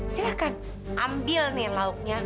silakan ambil nih lauknya